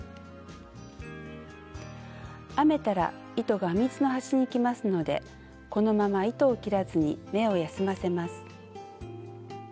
編めたら糸が編み図の端にきますのでこのまま糸を切らずに目を休ませます。